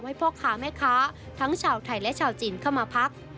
ให้พ่อค้าแม่ค้าทั้งชาวไทยและชาวจีนเข้ามาพัก